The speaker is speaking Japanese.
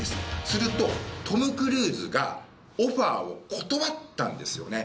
すると、トム・クルーズがオファーを断ったんですよね。